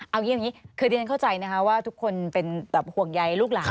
เอาอย่างนี้คือเรียนเข้าใจนะคะว่าทุกคนเป็นห่วงใยลูกหลาน